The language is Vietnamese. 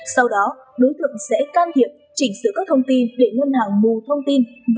sau đó đối tượng sẽ can thiệp chỉnh sửa các thông tin để ngân hàng mù thông tin